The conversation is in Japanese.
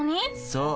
そう。